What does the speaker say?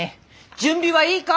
準備はいいか？